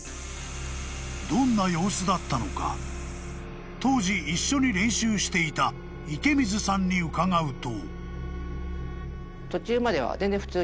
［どんな様子だったのか当時一緒に練習していた池水さんに伺うと］